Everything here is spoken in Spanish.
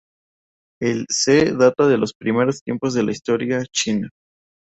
El "se" data de los primeros tiempos de la historia china.